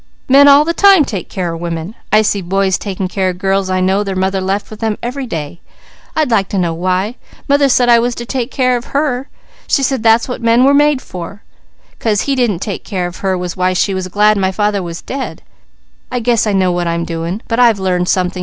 _ Men all the time take care of women. I see boys taking care of girls I know their mothers left with them, every day I'd like to know why. Mother said I was to take care of her. She said that's what men were made for. 'Cause he didn't take care of her, was why she was glad my father was dead. I guess I know what I'm doing! But I've learned something!